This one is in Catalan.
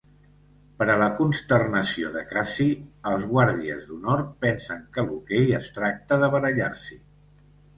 Per a la consternació de Casey, els Guàrdies d'honor pensen que l'hoquei es tracta de barallar-s'hi.